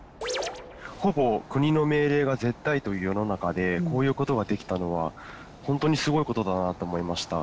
ほぼ国の命令が絶対という世の中でこういうことができたのは本当にすごいことだなと思いました。